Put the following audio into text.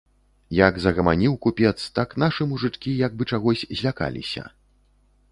Як загаманіў купец так, нашы мужычкі як бы чагось злякаліся.